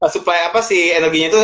supply apa si energinya itu